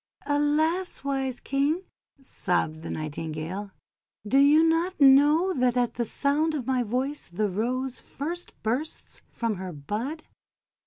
"Alas! wise King!'1 sobbed the Nightingale, "do you not know that at the sound of my voice the Rose first bursts from her bud?